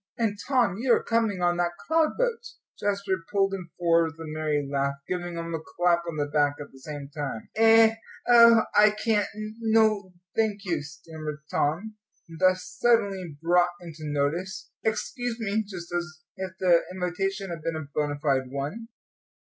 "And, Tom, you are coming on that cloud boat." Jasper pulled him forward with a merry laugh, giving him a clap on the back at the same time. "Eh oh, I can't no, thank you," stammered Tom, thus suddenly brought into notice. "Excuse me," just as if the invitation had been a bona fide one.